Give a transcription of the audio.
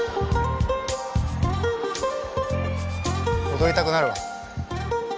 踊りたくなるわ。